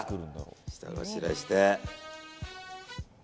下ごしらえして。